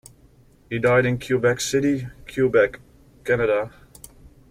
He died in Quebec City, Quebec, Canada.